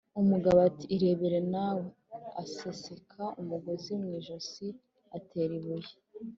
Umugabo ati irebere nawe. Aseseka umugozi mu ijosi, atera ibuye